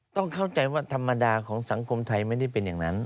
ต้องเข้าใจว่าธรรมดาของสังคมไทยไม่ได้เป็นอย่างนั้น